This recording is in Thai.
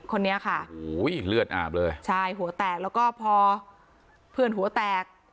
คนนี้ค่ะโอ้โหเลือดอาบเลยใช่หัวแตกแล้วก็พอเพื่อนหัวแตก